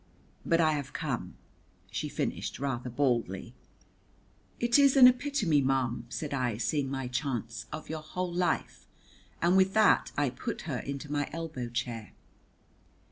"But I have come," she finished rather baldly. "It is an epitome, ma'am," said I, seeing my chance, "of your whole life," and with that I put her into my elbow chair.